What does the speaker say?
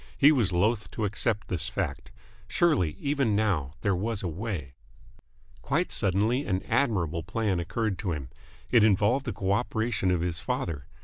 He was loth to accept this fact. Surely, even now, there was a way ... Quite suddenly an admirable plan occurred to him. It involved the co operation of his father.